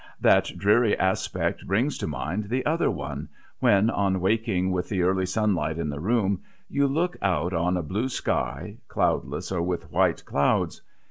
That dreary aspect brings to mind the other one, when, on waking with the early sunlight in the room, you look out on a blue sky, cloudless or with white clouds.